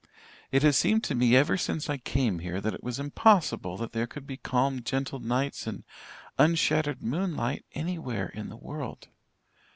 It has seemed to me ever since I came here that it was impossible that there could be calm gentle nights and unshattered moonlight anywhere in the world.